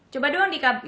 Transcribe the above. coba dulu dikan